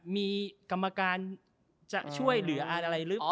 มีกรรมการจะช่วยเหลืออะไรหรือเปล่า